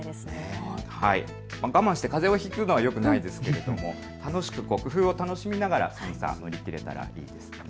我慢してかぜをひくのはよくないですけれども、工夫を楽しみながら寒さ、乗り切れたらいいですね。